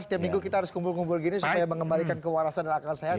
setiap minggu kita harus kumpul kumpul gini supaya mengembalikan kewarasan dan akal sehat